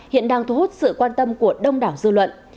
hiện đang thu hút sự quan tâm của đông đảo dư luận